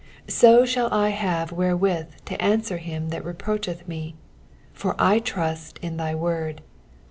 42 So shall I have wherewith to answer him that reproacheth me : for I trust in thy word.